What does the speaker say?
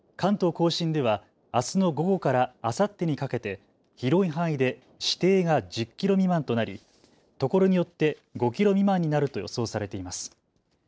甲信ではあすの午後からあさってにかけて広い範囲で視程が１０キロ未満となりところによって５キロ未満になると予想されています。